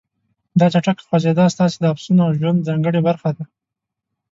دا چټکه خوځېدا ستا د افسون او ژوند ځانګړې برخه ده.